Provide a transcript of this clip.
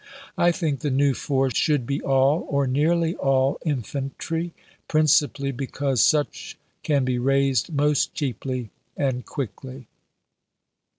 I think the new force should be all, or nearly all, infantry, principally because such can be raised most cheaply and quickly.